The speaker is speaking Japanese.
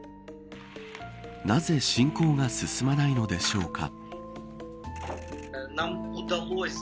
なぜ侵攻が進まないのでしょうか。